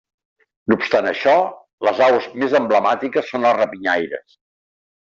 No obstant això, les aus més emblemàtiques són les rapinyaires.